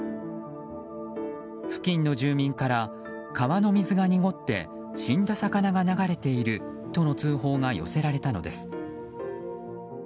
付近の住民から、川の水が濁って死んだ魚が流れているとの通報が寄せられたのです。